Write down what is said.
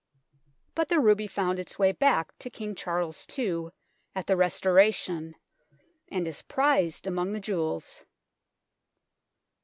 But the ruby found its way back to King Charles II at the Restoration, and is prized among the jewels.